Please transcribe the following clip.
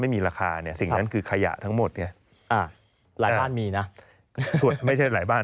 ไม่มีราคาเนี่ยสิ่งนั้นคือขยะทั้งหมดไงหลายบ้านมีนะไม่ใช่หลายบ้าน